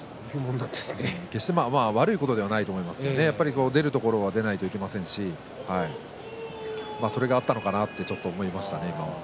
決して悪いことではないですけど出るところは出ないといけませんしねそれがあったのかなと思いましたね。